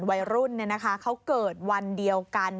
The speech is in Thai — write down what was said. วัยรุ่นเขาเกิดวันเดียวกัน